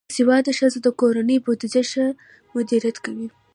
باسواده ښځې د کورنۍ بودیجه ښه مدیریت کوي.